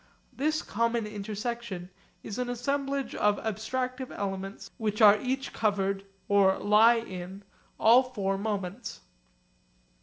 This common intersection is an assemblage of abstractive elements which are each covered (or 'lie in') all four moments.